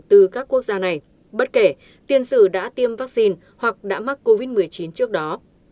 từ các quốc gia này bất kể tiền sử đã tiêm vaccine hoặc đã mắc covid một mươi chín trước đó